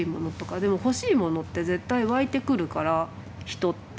でも欲しいものって絶対湧いてくるから人って。